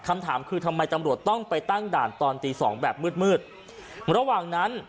คำถามคือทำไมตำรวจต้องไปตั้งด่านตอนตีสองแบบมืดมืดระหว่างนั้น